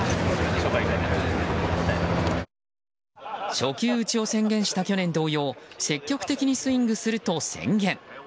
初球打ちを宣言した去年同様積極的にスイングすると宣言。